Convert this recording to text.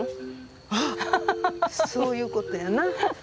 ああそういうことやな。